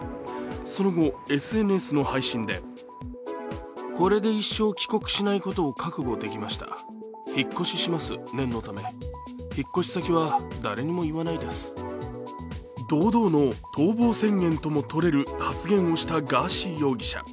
その後、ＳＮＳの配信で堂々の逃亡宣言ともとれる発言をしたガーシー容疑者。